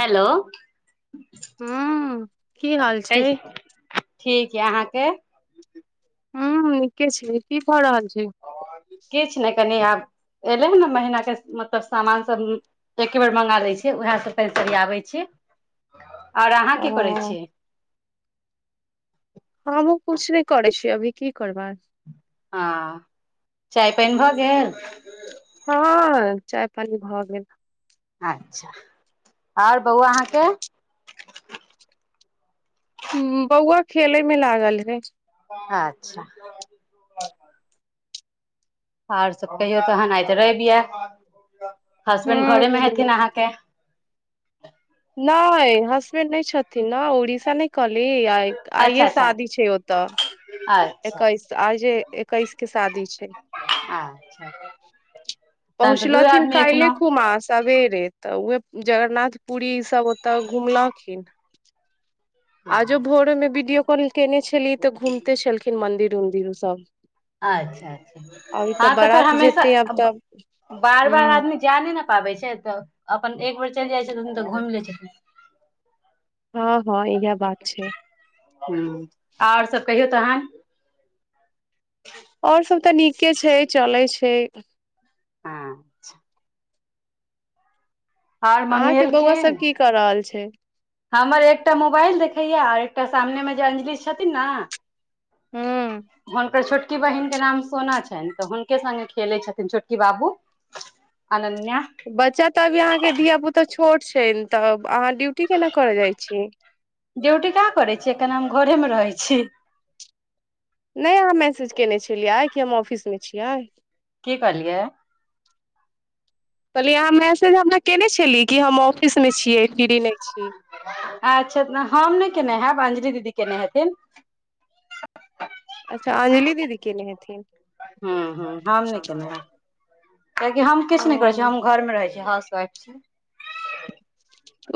Hello हू की हाल छै ठीक य अहाँके ह नीके छै की भऽ रहल य किछ ने कनि आब एले ह ने महिना के मतलब सामान सब एके बेर मंगा लै छियै उहे सब तनि सरियावय छियै ओर अहाँ कि करै ओ छिय हमहु कुछ नहि करै छियै अभी की करबै हँ चाय पानि भऽ गेल हँ चाय पानि भऽ गेल अच्छह आओर बौआ अहाँके हूँ बौआ खेले मे लागल हइ अच्छा आर सब कहियौ तहन आय रइब यै हसबैंड घरे मे हूँ हेथिन अहाँके नइ हसबेंड नइ छथिन न ओड़शा नइ कहली आइ आइे अच्छा अच्छा शादी छै ओतअ अच्छा एकैस आजे एकैस क शादी छै अच्छा तहन तऽ दूए पहुंचलखिन आदमी एखनो काइले खूमा सबेरे तऽ उहे जगरनाथ पुरी इसभ ओतय घुमलखिन हँ आजो भोर मे वीडियो कॉल केयने छलीये तऽ घुमते छलखिन मंदिर उंदिर सब अच्छा आब ई अच्छा हँ तऽ फेर बारात हमेशा जेतै आब तब बार बार हँ आदमी जैइ नइ न पाबै छै तऽ अपन एक बेर चइल जाइ छथिन तऽ घुइम लै छथिन हँ हँ इ बात छै ओर सभ कहियौ तहन आओर सभ तऽ नीके छै चलै छै आंछा अहां मम्मी के बौआ एलखिन सब की कर रहल छै हमर एकटा मोबाइल देखैया आर एकटा सामनेमे जे अंजलि छथिन ना हुनकर छोट की बहिन के नाम सोना छै तऽ हुनके संगे खेलै छथिन छोटकी बाबू अनन्या बच्चा तऽ अभी अहाँके धियापुता छोट छैन तऽ अहाँ ड्यूटी केना करय जाइत छीयै ड्यूटी कहां करै छियै अखन हम घरेमे रहै छियै नहि अहाँ मैसेज केने छलियै कि हम ऑफिसमे छियै की कहलियै कहलियै अहाँ मैसेज हमरा केने छलियै कि हम ऑफिसमे छियै फ्री नहि छी अच्छा तऽ हम नहि केयने हयब अंजलि दीदी कयने हेथिन अच्छा अंजलि दीदी केने हेथिन किएकि हम किछु नहि करै छिय ओ हम घरमे रहै छीय हाउस वाइफ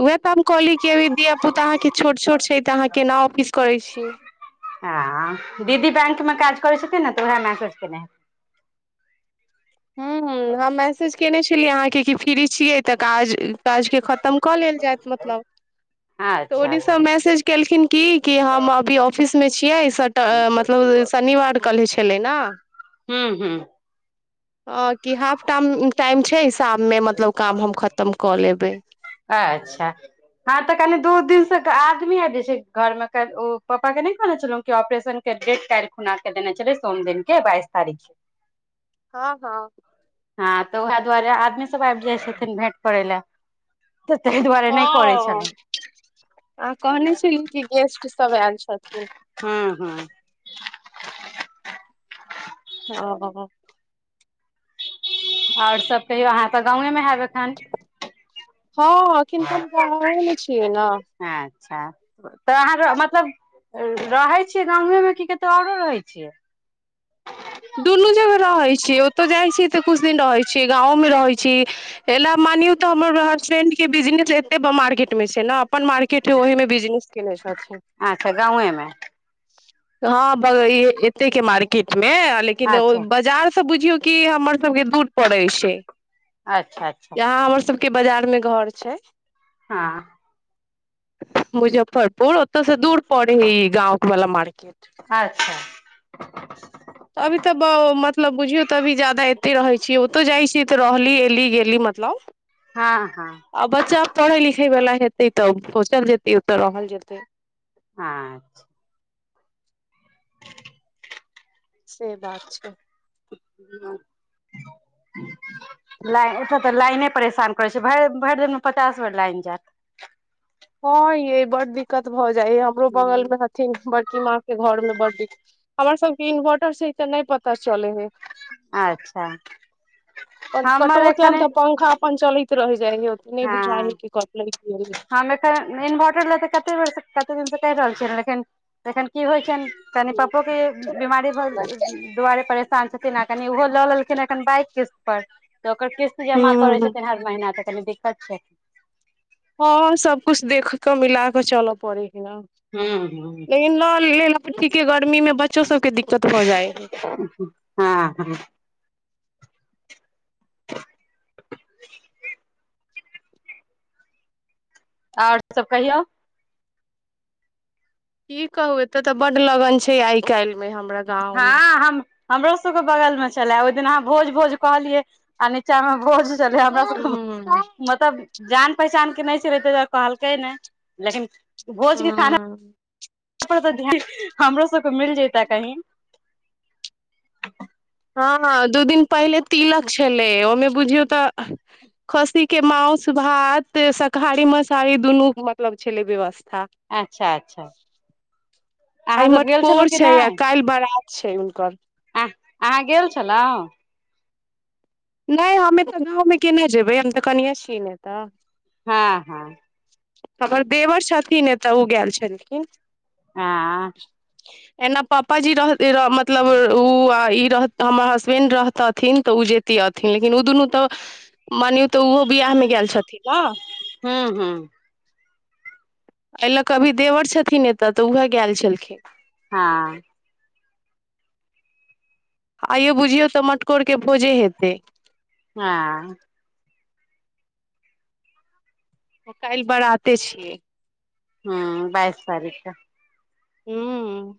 उएह तऽ हम कहली कि अभी धियापुता अहाँके छोट छोट छै तऽ अहाँ केना ऑफिस करैत छीयै हँ दीदी बैंकमे काज करै छथिन ने तऽ उहे मैसेज केने हूं हूं हम मैसेज केने छलियै अहाँके कि फ्री छियै तऽ काज काजके खतम कऽ लेल जायत मतलब हेत तऽ अच्छा ओनीसँ अच्छा मैसेज केलखिन की कि हम अभी ऑफिस मे छियै सट मतलब शनिवार कहने छेलय न हू हू हँ कि हाफ टाम टाइम छै शाममे मतलब काम हम खतम कऽ लेबै अच्छा हँ तऽ कनी दू दिन तक आदमी आ जे छै घर मे ओ पप्पा के नहि कहने छलौं कि ऑपरेशन के डेट काल्हि खुना के देने छेलय सोम दिन के बाइस तारीख के हँ हँ हँ तऽ ओहय दुआरे आदमी सब आबि जाइ छथिन भेंट करय लए तऽ ताहि दुआरे नहि करै हँ छलहुँ आ कहने छेलियै कि गेस्ट सब आएल छेथिन हँ हँ हँ हँ आओर सब कहियौ अहाँ त गांवे मे हैब ए हँ एखनि तऽ हम गांवे मे छियै न अच्छा तऽ अहाँ र मतलब रहय छियै गांवेमे कि कतौ औरो रहय छियै दुनू जगह रहय छियै ओतौ जाइत छियै तऽ कुछ दिन रहै छी गाँवोमे रहय छी एना मानियौ तऽ हमर हसबैंड के बिजनेस एतै ब मार्केटमे छै न अपन मार्केट के ओहिमे बिजनेस केने छथिन अच्छा गाँवेमे हँ ब' एते के मार्केट मे लेकिन ओय अच्छा बजार सब बुझियौ कि हमर सबके दूर पड़ै छै अच्छा अच्छा के बजार मे घर छै हँ मुजफ्फरपुर ओतय स दूर पड़य है ई गाँव बला मार्केट [unintelligible] अभी तऽ ब मतलब बुझियौ तऽ अभी जादा एतय रहै छियै ओतौ जाइ छियै तऽ रहली एली गेली मतलब हँ हँ आ बच्चा पढ़ै लिखय बला हेतै तऽ सोचल जेतै ओतऽ रहल जेतै हाँ च्छा से बात छै लाइ एतय तऽ लाइने परेशान करय छै भै भरि देिनमे पचास बेर लाइन जाएत हँ यै बड्ड दिक्कत भऽ जाइ हइ हमरो जायत बगलमे हथिन बड कि माँ के घरमे बड्ड दिक्क हमर सबके इन्वर्टर से तऽ नहि पता चलय हइ अच्छा पन कटो हमर एखन जाएम तऽ पंखा अपन चलैत रहै हँ हम एतय इनवर्टर लए तऽ कते बेरसँ कते दिनसँ करि रहल छियै लेकिन जखनि की होइ छनि कनी नहि। पप्पो के बीमारी भ' दुआरे परेशान छथिन आ कनी ओहो लऽ लेलखिन एखन बाइक के पर तऽ ओकर क़िस्त जमा करै हूँ छथिन हर महीना तऽ कनी दिक्कत छै हँ सबकुछ देख कऽ मिला कऽ चलऽ पड़ै हूँ हूँ [unintelligible] गर्मीमे बच्चो सबकेँ दिक्कत भ जाए हँ हँ [unintelligible] आओर सभ कहियौ की कहू एतय तऽ बड्ड लगन छै आइ काल्हिमे हमरा गाँवमे हँ हम हमरो सब के बगल मे छलए ओहि दिन अहाँ भोज भोज कहलियै आ नीचामे भोज च हमरा सब क' हूं मतब जान पहचानके नहि छेलै तै दुआरे कहलकै नै लेकिन भोजके खाना हूं पर तऽ ध्यान हमरो सबके मिल जयता कहीं हं हं दू दिन पहिले तिलक छलै ओमे बुझियौ तऽ खसी के माउस भात शाकाहारी मांसारी दुनू के मतलब छलै व्यवस्था हा अच्छा अच्छा आय अहाँ सब गेल छलहुँ मतकोर कि छैय नहि क़ाइल बारत छै हुनकर अहाँ गेल छलहुं [inaudible] हँ हँ हमर देवर छथिन एतऽ ओ गेल छलखिन आ एना पापा जी रह मतलब ओ ई रहत हमर हसबेंड रहत थिन तऽ उजेती अथिन लेकिन ओ दुनू तऽ मानियौ तऽ ओहो बियाह मे गेल छथिन न हँ हँ एहि लऽ कऽ अभी देवर छथिन एतय तऽ उएह गेल छलखिन हँ आइयौ बुझियौ तऽ मटकोरके भोजे हेतै हँ त काल्ह बराते छियै हँ बाइस तारीख के हूं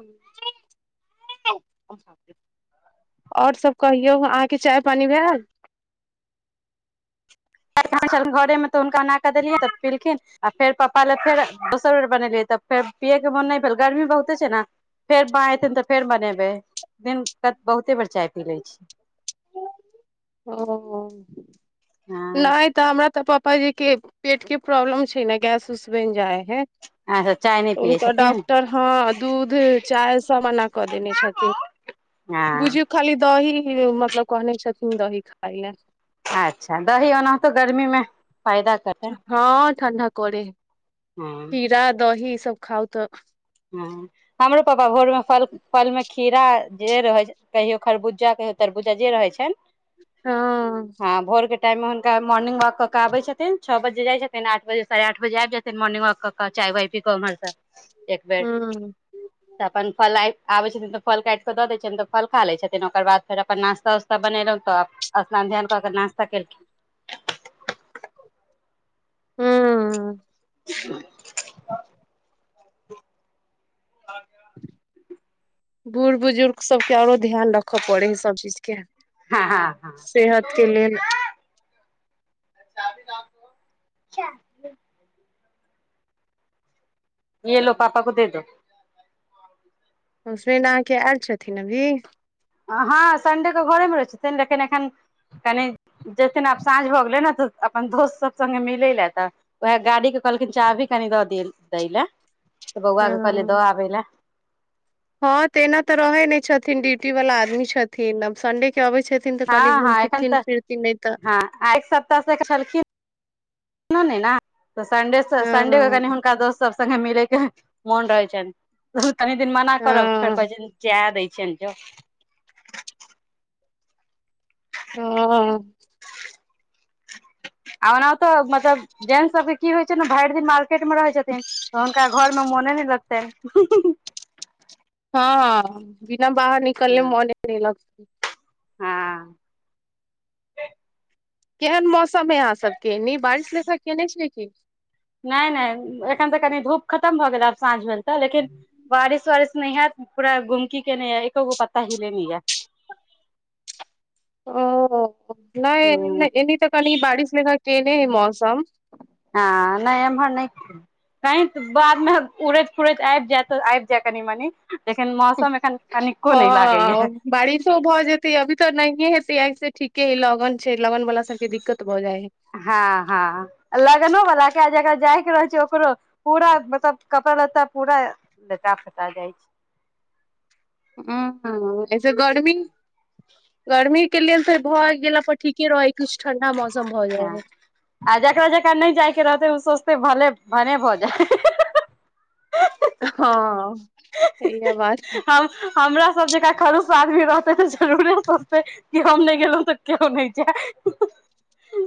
एईय एईय ओर सभ कहियौ अहाँके चाय पानि भेल घरेमे तऽ हुनका अन कऽ देलियैन तब खेलखिन आ फेर पप्पा ल फेर दोसर बेर बनेलियै तऽ फेर पियैके मोन नहि भेल गर्मी बहुते छै ने फेर बाँ एयथिन तऽ फेर बनेबै दिन त बहुते बेर चाय पी लै छी ओ हो हँ नहि तऽ हमरा तऽ प प्पाजीके पेट के प्रॉब्लम छै ने गैस उस बनि जाइ है अच्छा चाय नहि ऽ पियै हुनकर छथिन डॉक्टर हँ दूध चाय सभ एना कऽ देने छथिन हँ बुझियौ खाली दही मतलब कहने छथिन दही खाइ लए अच्छा दही ओना तऽ गर्मीमे फायदा करतनि हँ ठण्डा करे हँ खीरा दही ई सब खाउ तऽ ह हमरो पापा भोरमे फल फल मे खीरा जे रहै छै कहियो खरबूजा भेल तरबुजा जे रहै छैय हँ टाइम हुनका मौर्निंग वाक क केऽ आबे छथिन छओ बजे जाइ छथिन आठ बजे से आठ बजे आब जा छथिन मॉर्निंग बाक कऽ के चाई वाइ पिके पर एक बेड हँ तऽ अपन फलाइ आबै छथिन तऽ फल काट कऽ दै छियनि तऽ फल खा लै छथिन ओकर बाद फेर अपन नास्ता उस्ता बनेलहुँ तऽ स्न ध्यान कऽ के नास्ता केलखिन हँ [unintelligible] बूढ़ बुजुर्ग सबके ओरो ध्यान रखऽ पड़े है सब चीज के हँ हँ हँ सेहत के लेल चा भी लाअो तो ये लो पापा को दे दो ओ सुन अहाँके आयल छथिन अभी हँ सन्डेके घरेमे रहै छथिन देख एखन कनि जथिन आब साँझ भऽ गेले ने तऽ अपन दोस्त सब सङगे मिलै ले तऽ उएह गाड़ी के कहलखिन चाह भी कनि दऽ द दै ले तऽ बौआ हँ के कहल दऽ आबे लए हँ तऽ एना तऽ रहै नहि छथिन ड्यूटी वला आदमी छथिन आब सडे हँ हँ एखन तऽ नहि तऽ हँ एक सप्ताह से छलखिन ने तऽ सडेसँ सडे के कनि हँ हुनका दोस्त सब सगे मिले के मोन रहै छन कनी दिन मना करब फेर हँ कहे छ जाय दै छै सेझो [unintelligible] ह हाँ आ ओना तऽ मतलब जें सबके की होइ छै ने भरि दिन मार क्रिकेटमे रहै छथिन तऽ हुनका घर मे मोने नहि लगतन हाँ ह बिना बाहर निकले मने नहि लगत हाँ केहन मौसम हइ अहाँसबके नहि बारिश लेखा कयने छियै कि नहि नहि एखन तऽ कनि धूप खतम भऽ गेल आब साँझ भेल तऽ लेकिन बारिश वारिश स्नेहा पूरा गुमकी केने य एकोगो पत्ता हीलेनी य ओ य नहि एनी तऽ कनि बारिश लगा केने है मौसम हाँ नहि एम्हर नहि की बादमे उड़ैत फूड़ैत आबि जाय तऽ आबि जाय कनि मनी लेकिन मौसम एखन कनिको ह नहि लागैया बारिशो भऽ जेतै अभी तऽ नहि हेत अइसे ठीके हइ लगन छै लगन वाला सबके दिक्कत भऽ जाइ है हाँ हाँ लगनो बला के आ जे जाय के रहै छै ओकरो पूरा मतलब कपड़ा लत्ता पूरा लेटा फेटा जाइ छै [inaudible] हम एत्ते गर्मी गर्मी [unintelligible] के लेल फे भऽ गेला पर ठीके रह कुछ ठंडा मौस हाँ आ जकरा जकरा नहि जायके रहतै ओ स भने भने भऽ जाय हाँ सहिए बात छै। हम [unintelligible] हमरा सब जेका खरुश आदमी रहतै तऽ जरूरे सोचते कि हम नहि गेलहुं तऽ केओ नहि जाय [unintelligible]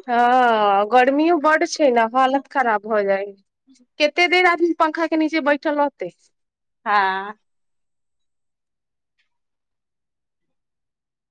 हँ गर्मियो बड छै ने हालत खराब भ जाइ केते देर आदमी पंखा के निचे बैठल रहतै हाँ